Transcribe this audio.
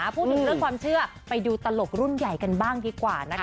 พูดถึงเรื่องความเชื่อไปดูตลกรุ่นใหญ่กันบ้างดีกว่านะคะ